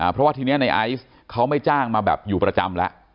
เพราะว่าทีนี้ในไอซ์เขาไม่จ้างมาแบบอยู่ประจำแล้ว